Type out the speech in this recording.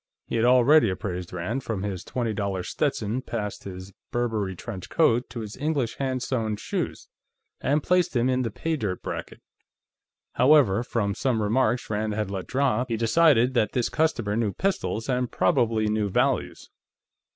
He had already appraised Rand, from his twenty dollar Stetson past his Burberry trench coat to his English hand sewn shoes, and placed him in the pay dirt bracket; however, from some remarks Rand had let drop, he decided that this customer knew pistols, and probably knew values.